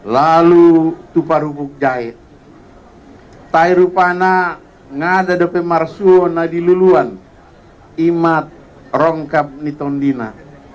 lalu tupar hubung jahit hai tairu panah ngadak doping marsuona diluluan imat rongkap nitondina